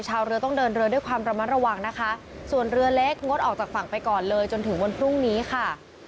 ชาวเรือต้องเดินเรือด้วยความระมัดระวังนะคะส่วนเรือเล็กงดออกจากฝั่งไปก่อนเลยจนถึงวันพรุ่งนี้ค่ะ